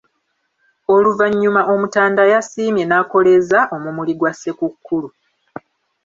Oluvannyuma Omutanda yasiimye n’akoleeza omumuli gwa Ssekukkulu.